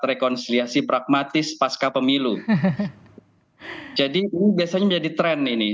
rekonsiliasi pragmatis pasca pemilu jadi ini biasanya menjadi tren ini